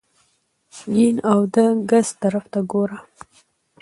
ګېڼ او ګس طرف ته ګوره !